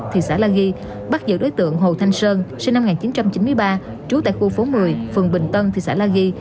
thị xã la ghi bắt giữ đối tượng hồ thanh sơn sinh năm một nghìn chín trăm chín mươi ba trú tại khu phố một mươi phường bình tân thị xã la ghi